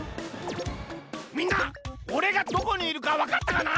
みんなおれがどこにいるかわかったかな？